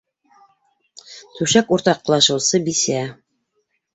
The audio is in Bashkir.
Түшәк уртаҡлашыусы бисә